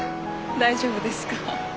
大丈夫ですか？